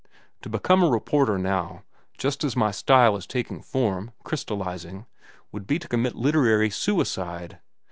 To become a reporter now, just as my style is taking form, crystallizing, would be to commit literary suicide.